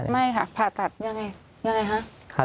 ไม่ค่ะผ่าตัดยังไงยังไงคะ